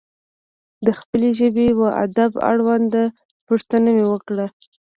د خپلې ژبې و ادب اړوند پوښتنه مې وکړه.